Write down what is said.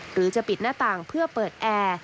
หรือจะปิดหน้าต่างเพื่อเปิดแอร์